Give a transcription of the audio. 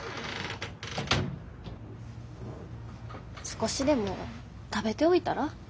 少しでも食べておいたら？